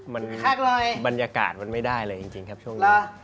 มันบรรยากาศมันไม่ได้เลยจริงครับช่วงนี้